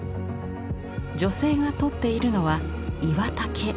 女性がとっているのは岩茸。